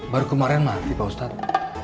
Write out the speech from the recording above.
baru kemarin mati pak ustadz